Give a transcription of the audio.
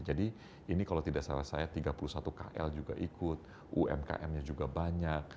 jadi ini kalau tidak salah saya tiga puluh satu kl juga ikut umkm nya juga banyak